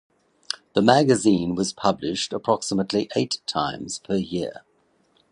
The magazine was published approximately eight times per year.